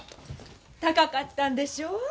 高かったんでしょ？